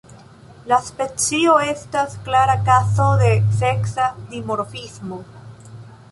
La specio estas klara kazo de seksa dimorfismo.